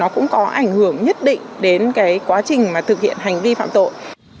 có ảnh hưởng nhất định đến quá trình thực hiện hành vi phạm tội